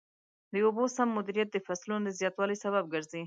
د اوبو سم مدیریت د فصلونو د زیاتوالي سبب ګرځي.